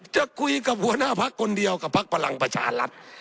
จะคุยกับหัวหน้าภักดิ์คนเดียวกับภักดิ์ประหลังประชารรัฐ